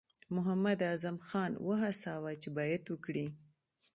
محمداعظم خان وهڅاوه چې بیعت وکړي.